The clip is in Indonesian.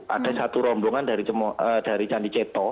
ada satu rombongan dari candi ceto